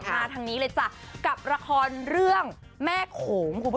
มาทางนี้กับราคาเรื่องแม่โขมครับ